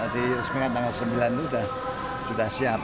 diresmikan tanggal sembilan itu sudah siap